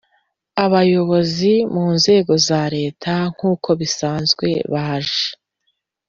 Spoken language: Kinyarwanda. Abayobozi mu nzego za Leta nk ukobisanzwe baje